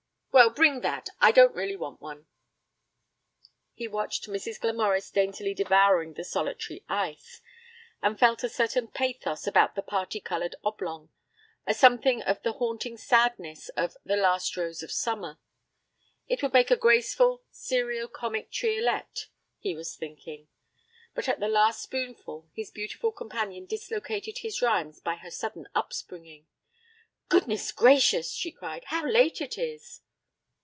'Well, bring that. I don't really want one.' He watched Mrs. Glamorys daintily devouring the solitary ice, and felt a certain pathos about the parti coloured oblong, a something of the haunting sadness of 'The Last Rose of Summer'. It would make a graceful, serio comic triolet, he was thinking. But at the last spoonful, his beautiful companion dislocated his rhymes by her sudden upspringing. 'Goodness gracious,' she cried, 'how late it is!'